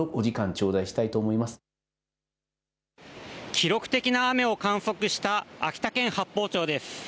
記録的な雨を観測した秋田県八峰町です。